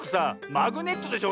マグネットでしょ。